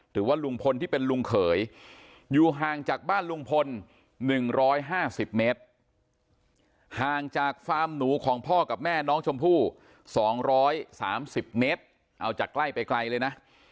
หรือว่าลุงพลที่เป็นลุงเขยอยู่ห่างจากบ้านลุงพล๑๕๐เมตรห่างจากฟาร์มหนูของพ่อกับแม่น้องชมพู่๒๓๐เมตรเอาจากใกล้ไปไกลเลยนะ